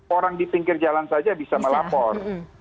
orang di pinggir jalan saja bisa melapor